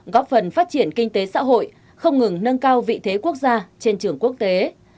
góp phần phát triển kinh tế xã hội không ngừng nâng cao vị thế quốc gia trên trường quốc tế